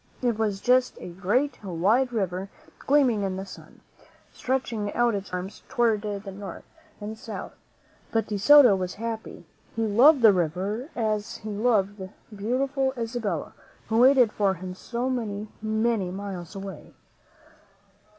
It was just a great, wide river, gleaming in the sun, stretching out its wide arms toward the north and the south. But De Soto was happy. He loved the river as he loved the beautiful Isabella, who waited for him so many, many miles away.